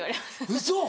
ウソ！